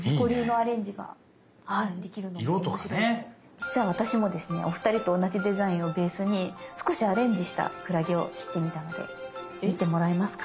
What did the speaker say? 実は私もですねお二人と同じデザインをベースに少しアレンジしたクラゲを切ってみたので見てもらえますか。